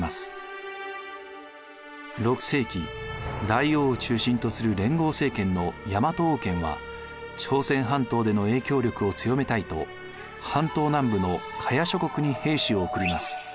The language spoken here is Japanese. ６世紀大王を中心とする連合政権の大和王権は朝鮮半島での影響力を強めたいと半島南部の伽耶諸国に兵士を送ります。